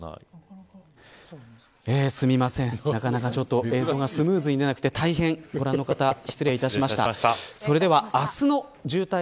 すみません、なかなか映像がスムーズに出なくてご覧の方大変失礼しました。